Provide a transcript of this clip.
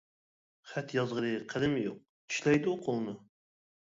خەت يازغىلى قەلىمى يوق، چىشلەيدۇ قولنى.